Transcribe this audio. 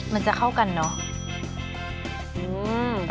มันจะเข้ากันเนอะ